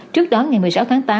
trước đó ngày một mươi sáu tháng tám